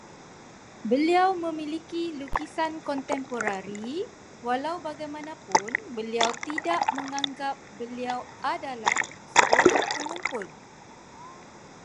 Beliau memiliki lukisan kontemporari, walaubagaimanapun beliau tidak menganggap beliau adalah seorang pengumpul